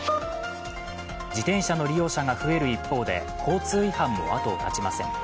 自転車の利用者が増える一方で交通違反も後を絶ちません。